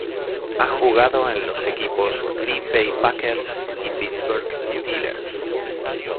Ha jugado en los equipos Green Bay Packers y Pittsburgh Steelers.